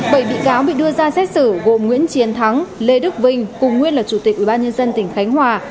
bảy bị cáo bị đưa ra xét xử gồm nguyễn chiến thắng lê đức vinh cùng nguyên là chủ tịch ủy ban nhân dân tỉnh khánh hòa